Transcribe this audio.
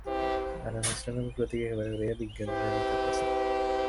আর অনুষ্ঠান ও প্রতীক একেবারে উড়াইয়া দেওয়া বিজ্ঞজনোচিত কাজ নয়।